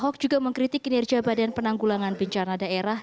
ahok juga mengkritik kinerja badan penanggulangan bencana daerah